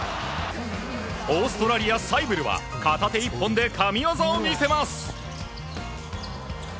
オーストラリア、サイブルは片手一本で神技を見せます。